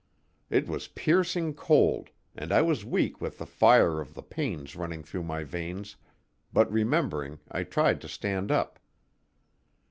It was piercing cold and I was weak with the fire of the pains running through my veins, but remembering, I tried to stand up.